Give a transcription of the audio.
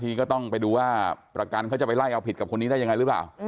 ก็ต้องไปดูว่าประกันเขาจะไปไล่เอาผิดกับคนนี้ได้ยังไงหรือเปล่า